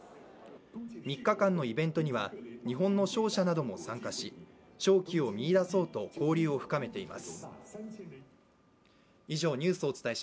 ３日間のイベントには日本の商社なども参加し商機を見いだそうと交流を深めています。